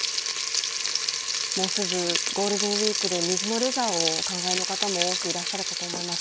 もうすぐゴールデンウイークで水のレジャーをお考えの方もたくさんいらっしゃると思います